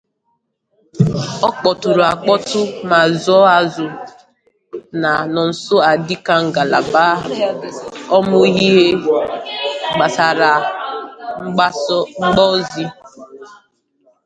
Ọ kpọtụrụ akpọtụ ma zuọ azụọ na nsonso a dịka ngalaba ọmụmụihe gbasaara mgbasaozi